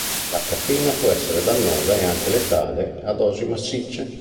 La caffeina può essere dannosa e anche letale a dosi massicce.